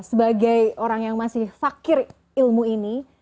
sebagai orang yang masih fakir ilmu ini